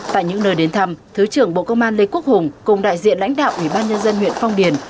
tại những nơi đến thăm thứ trưởng bộ công an lê quốc hùng cùng đại diện lãnh đạo ủy ban nhân dân huyện phong điền